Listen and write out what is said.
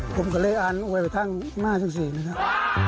ผมก็เลยอ่านไว้ไปทางมาสิงศรีนะครับ